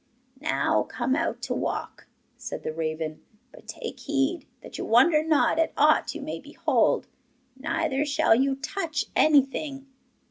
'Now come out to walk,' said the raven, 'but take heed that you wonder not at aught you may behold; neither shall you touch anything.